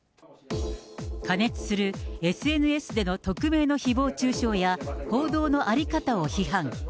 過熱するＳＮＳでの匿名のひぼう中傷や報道の在り方を批判。